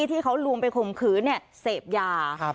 ที่เขาลวงไปข่มขืนเสพยา